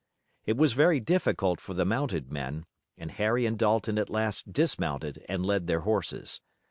It was very difficult for the mounted men, and Harry and Dalton at last dismounted and led their horses.